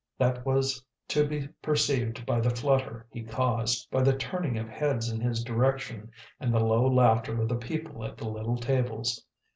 That was to be perceived by the flutter he caused, by the turning of heads in his direction, and the low laughter of the people at the little tables.